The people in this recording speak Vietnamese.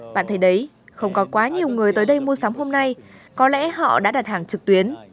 bạn thấy đấy không có quá nhiều người tới đây mua sắm hôm nay có lẽ họ đã đặt hàng trực tuyến